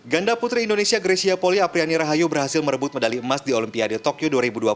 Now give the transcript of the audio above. ganda putri indonesia grecia poli apriani rahayu berhasil merebut medali emas di olimpiade tokyo dua ribu dua puluh